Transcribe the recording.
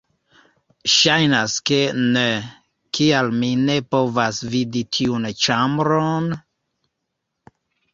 Ŝajnas ke ne... kial mi ne povas vidi tiun ĉambron?